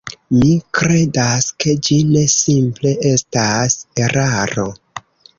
Mi kredas, ke ĝi ne simple estas eraro.